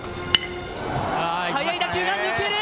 速い打球が抜ける。